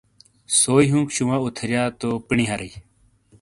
سوئی ہونک شوواں اتھیرییا تو پینڈی ہارۓ۔